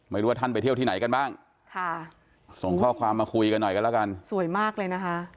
ไม่รู้ว่าท่านไปเที่ยวที่ไหนกันบ้างค่ะส่งข้อความมาคุยกันหน่อยกันแล้วกันสวยมากเลยนะคะ